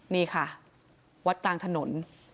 นี่ค่ะวัดกลางถนน